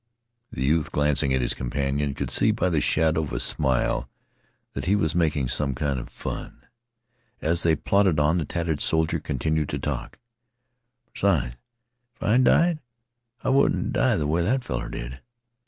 The youth glancing at his companion could see by the shadow of a smile that he was making some kind of fun. As they plodded on the tattered soldier continued to talk. "Besides, if I died, I wouldn't die th' way that feller did.